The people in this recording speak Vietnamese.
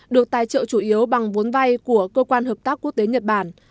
được tài trợ chủ yếu bằng vốn vay của cơ quan hợp tác quốc tế nhật bản